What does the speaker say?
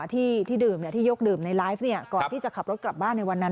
ที่ดื่มที่ยกดื่มในไลฟ์ก่อนที่จะขับรถกลับบ้านในวันนั้น